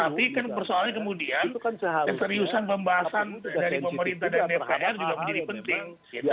tapi kan persoalannya kemudian keseriusan pembahasan dari pemerintah dan dpr juga menjadi penting